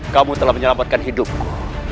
kamu telah menyelamatkan hidupku